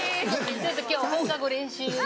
ちょっと今日放課後練習。